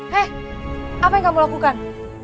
hei apa yang kamu lakukan